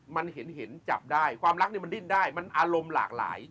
มันเห็นจับได้ความรักเนี่ยมันดิ้นได้มันอารมณ์หลากหลาย